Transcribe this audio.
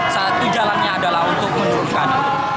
satu jalannya adalah untuk meluruskan